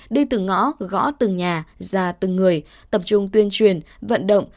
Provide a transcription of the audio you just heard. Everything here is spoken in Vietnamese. đi từng ngõ gõ từng nhà ra từng người tập trung tuyên truyền vận động